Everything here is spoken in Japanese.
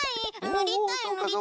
ぬりたい！